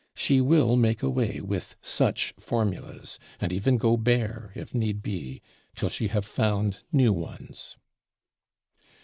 She will make away with such formulas; and even go bare, if need be, till she have found new ones.